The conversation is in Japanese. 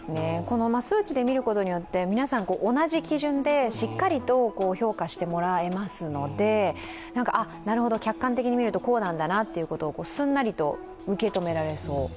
数値で見ることによって皆さん同じ基準でしっかりと評価してもらえますので、なるほど客観的に見るとこうなんだなとすんなりと受け止められそう。